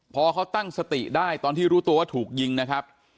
พอเขาตั้งสติได้ตอนที่รู้ตัวว่าถูกยิงนะครับ